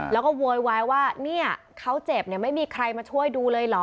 แล้วก็โวยวายว่าเนี่ยเขาเจ็บเนี่ยไม่มีใครมาช่วยดูเลยเหรอ